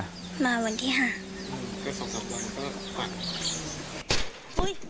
ก็สองสักวันก็ควัน